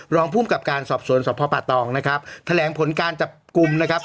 รองผู้มกับการสอบสวนสพปาตองแถลงผลการจับกลุ้ม